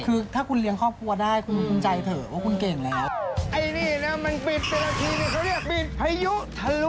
คือถ้าคุณเลี้ยงครอบครัวได้ครับคุณกลัวภูมิไฟร้าทิ้ง